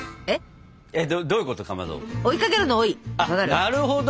なるほど。